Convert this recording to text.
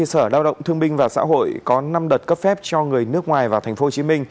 sở lao động thương binh và xã hội có năm đợt cấp phép cho người nước ngoài vào tp hcm